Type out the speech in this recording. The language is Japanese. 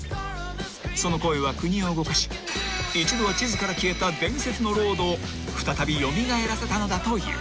［その声は国を動かし一度は地図から消えた伝説のロードを再び蘇らせたのだという］